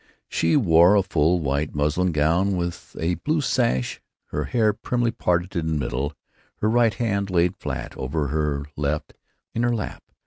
She wore a full white muslin gown with a blue sash, her hair primly parted in the middle, her right hand laid flat over her left in her lap.